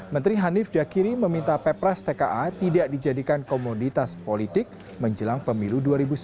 menteri hanif dakiri meminta pepres tka tidak dijadikan komoditas politik menjelang pemilu dua ribu sembilan belas